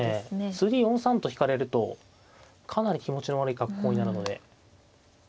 次４三と引かれるとかなり気持ちの悪い格好になるので。